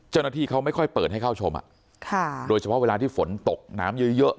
เจ้าหน้าที่เขาไม่ค่อยเปิดให้เข้าชมอ่ะค่ะโดยเฉพาะเวลาที่ฝนตกน้ำเยอะเยอะ